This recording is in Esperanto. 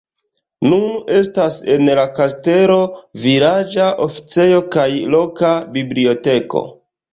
Nun estas en la kastelo vilaĝa oficejo kaj loka biblioteko.